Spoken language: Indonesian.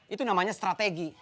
itu namanya strategi